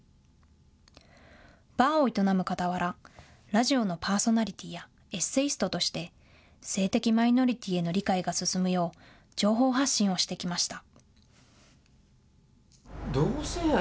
バーを営むかたわら、ラジオのパーソナリティーやエッセイストとして性的マイノリティーへの理解が進むよう情報発信をしてきました。